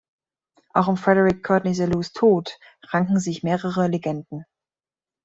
Auch um Frederick Courteney Selous Tod ranken sich mehrere Legenden.